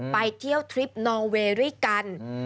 ไปเที่ยวทริปนอเวย์ด้วยกัน